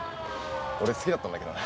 俺好きだったんだけどな。